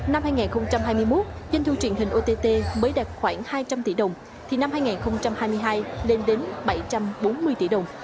năm hai nghìn hai mươi một doanh thu truyền hình ott mới đạt khoảng hai trăm linh tỷ đồng thì năm hai nghìn hai mươi hai lên đến bảy trăm bốn mươi tỷ đồng